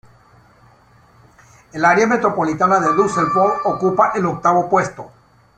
El área metropolitana de Düsseldorf ocupa el octavo puesto.